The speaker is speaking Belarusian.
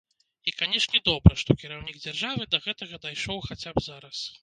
І, канешне, добра, што кіраўнік дзяржавы да гэтага дайшоў хаця б зараз.